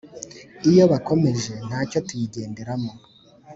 Iyo bakomejentacyo tuyigenderemo